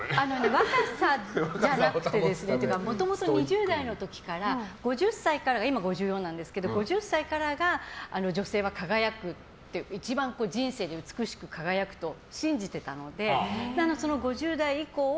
若さじゃなくて、というかもともと２０代の時から今５４なんですけど５０歳からが女性は輝く一番、人生で美しく輝くと信じてたので、その５０代以降を